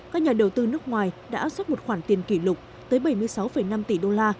các nhà đầu tư nước ngoài đã xuất một khoản tiền kỷ lục tới bảy mươi sáu năm tỷ đô la